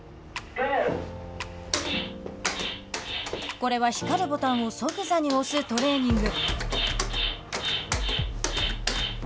これは、光るボタンを即座に押すトレーニング。